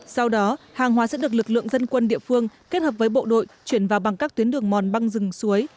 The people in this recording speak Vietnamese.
sau đó hàng hóa sẽ được lực lượng dân quân địa phương kết hợp với bộ đội chuyển vào bằng các tuyến đường mòn băng rừng suối